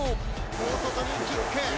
大外にキック。